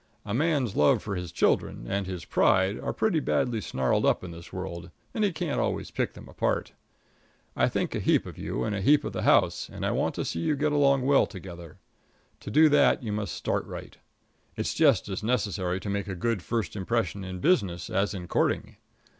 A man's love for his children and his pride are pretty badly snarled up in this world, and he can't always pick them apart. I think a heap of you and a heap of the house, and I want to see you get along well together. To do that you must start right. It's just as necessary to make a good first impression in business as in courting.